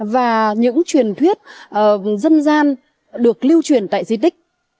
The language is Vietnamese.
và những truyền thuyết dân gian được lưu truyền tại di tích